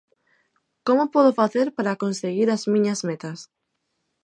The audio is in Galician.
Como podo facer para conseguir as miñas metas?